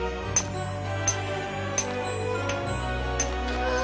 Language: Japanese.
うわ！